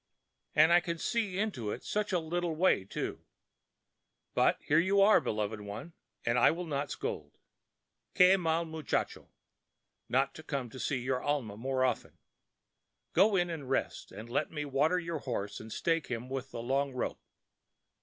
And I can see into it such a little way, too. But you are here, beloved one, and I will not scold. Que mal muchacho! not to come to see your alma more often. Go in and rest, and let me water your horse and stake him with the long rope.